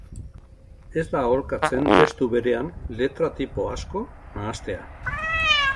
Ez da aholkatzen testu berean letra-tipo asko nahastea.